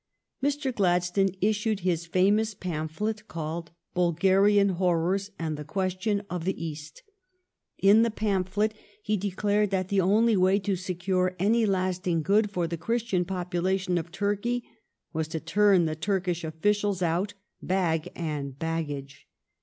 Mr. Gladstone issued his famous pamphlet called " Bulgarian Horrors and the Question of the East." In the pamphlet he declared that the only way to secure any lasting good for the Christian popula tion of Turkey was to turn the Turkish officials out, "bag and baggage."